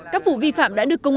các vụ vi phạm đã được công bố